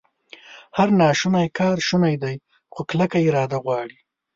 هر ناشونی کار شونی دی، خو کلکه اراده غواړي